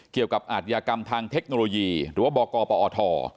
เกี่ยวกับอาธิกรรมทางเทคโนโลยีหรือว่าบกปธ